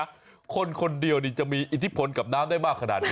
คนคนเดียวนี่จะมีอิทธิพลกับน้ำได้มากขนาดนี้